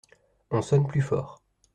On sonne plus fort.